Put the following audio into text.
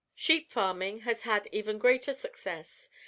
"Sheep farming has had even greater success.